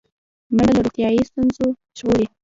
منډه له روغتیایي ستونزو ژغوري